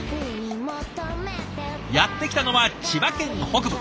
やって来たのは千葉県北部。